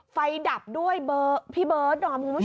ดับด้วยพี่เบิร์ดดอมคุณผู้ชม